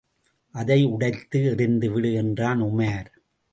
அதை உடைத்து எறிந்துவிடு என்றான் உமார்.